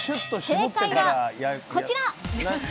正解はこちら！